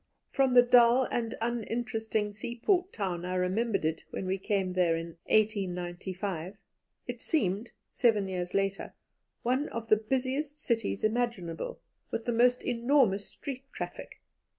From the dull and uninteresting seaport town I remembered it when we came there in 1895, it seemed, seven years later, one of the busiest cities imaginable, with the most enormous street traffic.